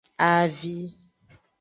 Avi.